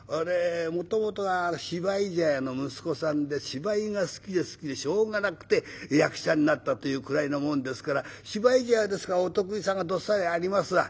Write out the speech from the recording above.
もともとは芝居茶屋の息子さんで芝居が好きで好きでしょうがなくて役者になったというくらいのもんですから芝居茶屋ですからお得意さんがどっさりありますわ。